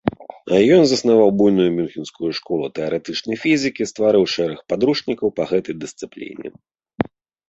Ён заснаваў буйную мюнхенскую школу тэарэтычнай фізікі, стварыў шэраг падручнікаў па гэтай дысцыпліне.